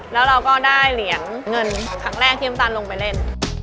แล้วเราก็ได้เหรียญเงินครั้งแรกที่น้ำตาลลงไปเล่น